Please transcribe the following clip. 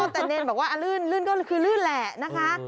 แต่เนรบอกว่าลื่นลื่นก็คือลื่นแหละนะคะ